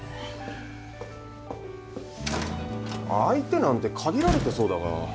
相手なんて限られてそうだが。